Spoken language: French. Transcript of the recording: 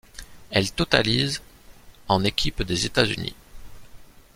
Elle totalise en équipe des États-Unis.